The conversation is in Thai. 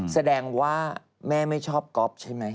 แสดงว่าแม่ไม่ชอบก๊อฟใช่ไหม